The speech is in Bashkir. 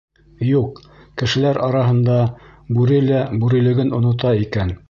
Юҡ, кешеләр араһында бүре лә бүрелеген онота икән.